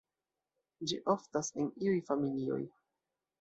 Ĝi oftas en iuj familioj.